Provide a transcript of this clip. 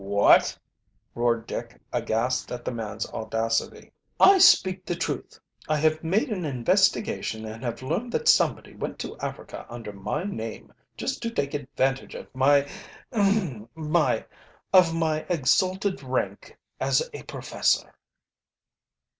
"What!" roared Dick aghast at the man's audacity. "I speak the truth. I have made an investigation, and have learned that somebody went to Africa under my name, just to take advantage of my ahem of my exalted rank as a professor."